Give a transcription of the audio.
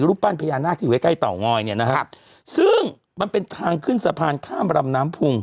รูปปั้นพญานาคที่อยู่ใกล้เตางอยเนี่ยนะครับซึ่งมันเป็นทางขึ้นสะพานข้ามรำน้ำพุง